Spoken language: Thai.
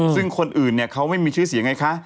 ซึ่งคนอื่นเนี่ยเขาไม่มีชื่อเสียงไงคะ